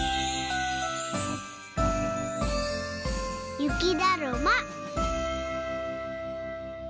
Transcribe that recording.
ゆきだるま。